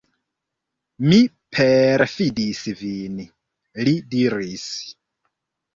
Mi perﬁdis vin, li diris.